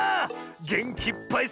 げんきいっぱい